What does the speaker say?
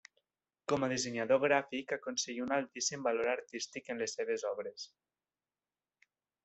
Com a dissenyador gràfic aconseguí un altíssim valor artístic en les seves obres.